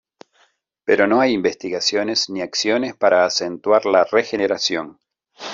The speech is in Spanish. Pero no hay investigaciones ni acciones para acentuar la regeneración.